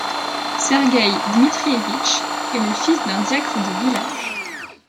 Sergueï Dmitrievitch est le fils d'un diacre de village.